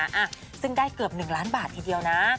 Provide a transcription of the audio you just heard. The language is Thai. อ่ะซึ่งได้เกือบ๑ล้านบาททีเดียวนะ